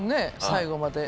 最後まで。